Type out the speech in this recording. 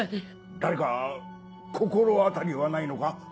誰か心当たりはないのか？